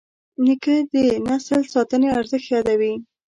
نیکه د نسل ساتنې ارزښت یادوي.